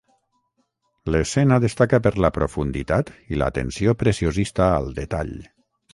L'escena destaca per la profunditat i l'atenció preciosista al detall.